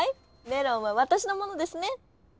メロンはわたしのものですね。